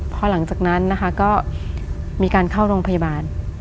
พอหลังจากนั้นนะคะก็มีการเข้าโรงพยาบาล